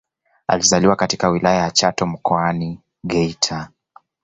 Alizaliwa katika Wilaya ya Chato Mkoani Geita